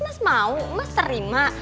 mas mau mas terima